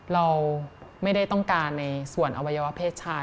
เราไม่ได้ต้องการในส่วนอวัยวะเพศชาย